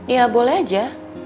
ya boleh aja